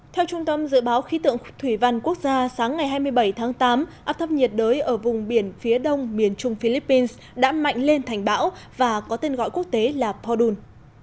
theo trung tâm dự báo khí tượng thủy văn quốc gia sáng ngày hai mươi bảy tháng tám áp thấp nhiệt đới ở vùng biển phía đông miền trung philippines đã mạnh lên thành bão và có tên gọi quốc tế là podun